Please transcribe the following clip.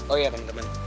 oh iya temen temen